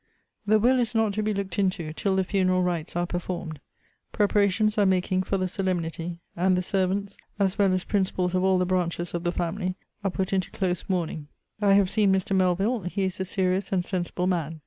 The will is not to be looked into, till the funeral rites are performed. Preparations are making for the solemnity; and the servants, as well as principals of all the branches of the family, are put into close mourning. I have seen Mr. Melvill. He is a serious and sensible man.